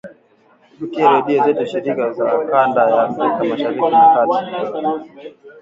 kupitia redio zetu shirika za kanda ya Afrika Mashariki na Kati